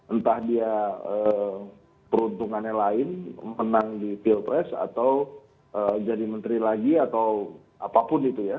entah dia peruntungannya lain menang di pilpres atau jadi menteri lagi atau apapun itu ya